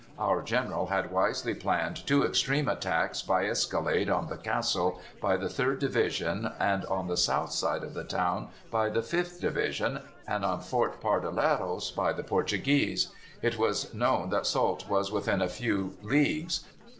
"Our General had wisely planned two extreme attacks by escalade on the castle by the Third Division and on the south side of the town by the Fifth Division, and on Fort Pardoleros by the Portuguese. It was known that Soult was within a few leagues.